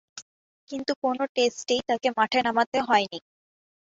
কিন্তু কোন টেস্টেই তাকে মাঠে নামতে হয়নি।